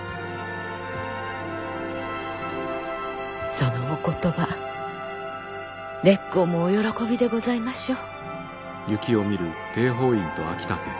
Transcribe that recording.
そのお言葉烈公もお喜びでございましょう。